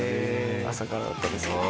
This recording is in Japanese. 朝からだったんですけど。